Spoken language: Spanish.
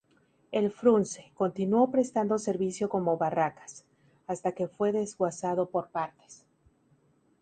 El "Frunze" continuo prestando servicio como barracas, hasta que fue desguazado por partes.